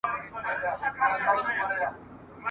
دا آرت جهان تنګ دی